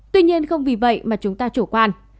tuy nhiên không vì vậy mà chúng ta chủ quan